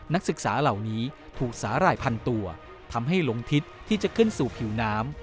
นักศึกษาเหล่านี้ถูกสาหร่ายพันตัวทำให้หลงทิศที่จะขึ้นสู่ผิวน้ำ